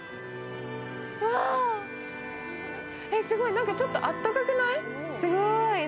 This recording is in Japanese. すごい、なんかちょっとあったかくない？